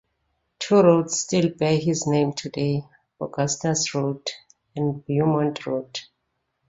Two roads still bear his name today - Augustus Road and Beaumont Road.